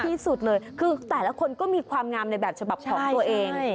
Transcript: ที่สุดเลยคือแต่ละคนก็มีความงามในแบบฉบับของตัวเอง